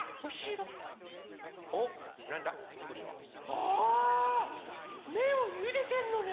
あめんをゆでてんのね！